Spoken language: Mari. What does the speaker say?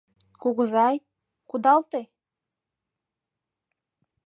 Кугызай, кудалте.